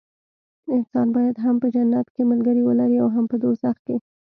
انسان باید هم په جنت کې ملګري ولري هم په دوزخ کې.